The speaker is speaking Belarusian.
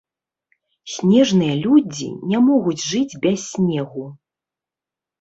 Снежныя людзі не могуць жыць без снегу.